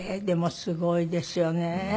でもすごいですよね